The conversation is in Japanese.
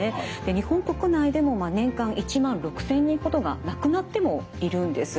日本国内でも年間１万６，０００人ほどが亡くなってもいるんです。